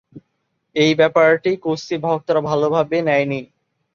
এই ব্যাপারটি কুস্তি ভক্তরা ভালোভাবে নেননি।